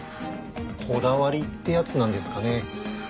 こだわりってやつなんですかね。